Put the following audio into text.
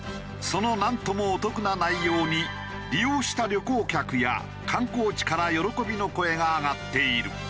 そのなんともお得な内容に利用した旅行客や観光地から喜びの声が上がっている。